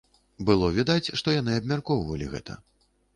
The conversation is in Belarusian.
Было відаць, што яны абмяркоўвалі гэта.